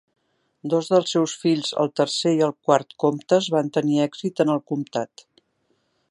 Dos dels seus fills, el tercer i el quart comtes, van tenir èxit en el comtat.